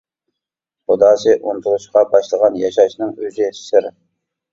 خۇداسى ئۇنتۇلۇشقا باشلىغان، ياشاشنىڭ ئۆزى سىر.